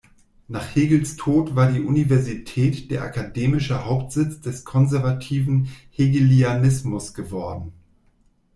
Nach Hegels Tod war die Universität der akademische Hauptsitz des konservativen Hegelianismus geworden.